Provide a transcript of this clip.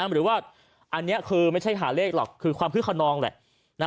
หรือว่าอันนี้คือไม่ใช่หาเลขหรอกคือความคึกขนองแหละ